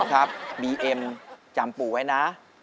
ครับบีเอ็มจำปู่ไว้นะ